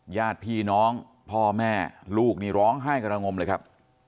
ญาติพี่น้องพ่อแม่ลูกนี่ร้องไห้กระงมเลยครับ